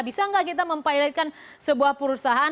bisa nggak kita mempilotkan sebuah perusahaan